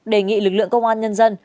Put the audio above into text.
đề nghị lực lượng công an nhân dân